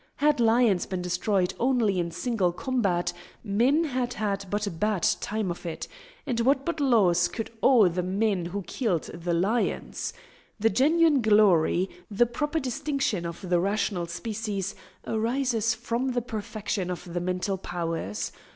Had lions been destroyed only in single combat, men had had but a bad time of it; and what but laws could awe the men who killed the lions? The genuine glory, the proper distinction of the rational species, arises from the perfection of the mental powers.